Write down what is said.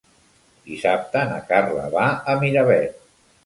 Dissabte na Carla va a Miravet.